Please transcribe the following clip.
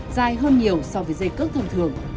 dài hơn nhiều so với dây cước thường thường